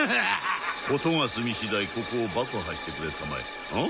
事が済み次第ここを爆破してくれたまえん？